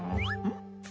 ん？